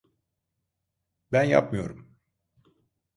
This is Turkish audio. Ben yapmıyorum.